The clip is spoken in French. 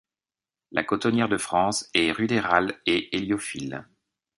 La Cotonnière de France est ruderale et héliophile.